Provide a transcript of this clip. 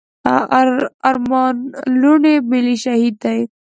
ارمان لوڼي ملي شهيد دی.